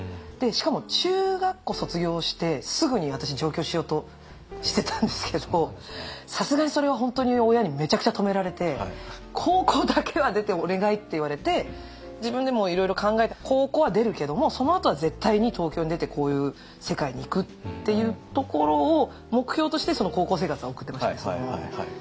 しかも中学校卒業してすぐに私上京しようとしてたんですけどさすがにそれは本当に親にめちゃくちゃ止められて「高校だけは出てお願い」って言われて自分でもいろいろ考えて高校は出るけどもそのあとは絶対に東京に出てこういう世界に行くっていうところを目標として高校生活は送ってましたね。